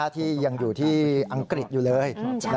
ที่ยังอยู่ที่อังกฤษอยู่เลย